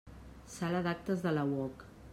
Sala d'actes de la UOC.